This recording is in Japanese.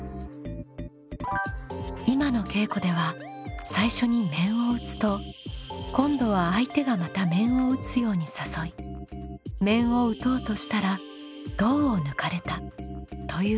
今の稽古では最初に面を打つと今度は相手がまた面を打つように誘い面を打とうとしたら胴を抜かれたという駆け引きでした。